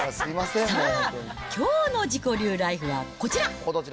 さあ、きょうの自己流ライフはこちら。